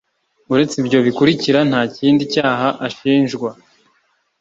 uretse ibyo bikurikira ntakindi cyaha ashinjwa.